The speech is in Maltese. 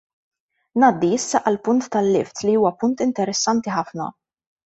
Ngħaddi issa għall-punt tal-lifts li huwa punt interessanti ħafna.